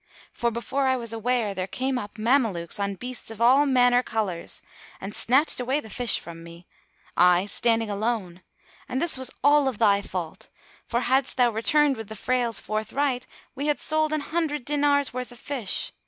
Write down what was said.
For, before I was aware, there came up Mamelukes on beasts of all manner colours, and snatched away the fish from me, I standing alone, and this was all of thy fault; for, hadst thou returned with the frails forthright, we had sold an hundred dinars' worth of fish.